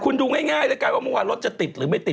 คุณดูง่ายแล้วกันว่าเมื่อวานรถจะติดหรือไม่ติด